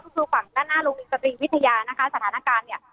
ก็คือฝั่งด้านหน้าโรงเรียนสตรีวิทยานะคะสถานการณ์เนี่ย